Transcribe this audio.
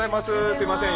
すいません